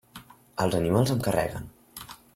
Els animals em carreguen.